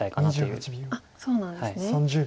そうなんですね。